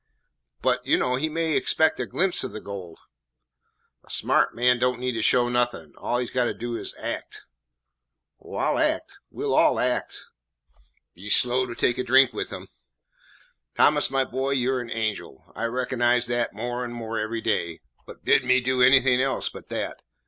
"But, you know, he may expect a glimpse of the gold." "A smart man don't need to show nothin'. All he 's got to do is to act." "Oh, I 'll act; we 'll all act." "Be slow to take a drink from him." "Thomas, my boy, you 're an angel. I recognise that more and more every day, but bid me do anything else but that.